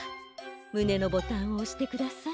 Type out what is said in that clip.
むねのボタンをおしてください。